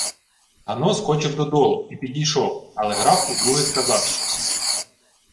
Гано скочив додолу, і підійшов, але граф удруге сказав щось.